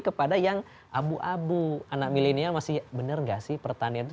kepada yang abu abu anak milenial masih benar nggak sih pertanian itu